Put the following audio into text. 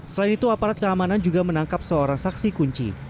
selain itu aparat keamanan juga menangkap seorang saksi kunci